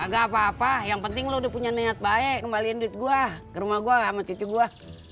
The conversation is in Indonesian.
gak apa apa yang penting lo udah punya niat baik kembaliin duit gue ke rumah gue sama cucu gue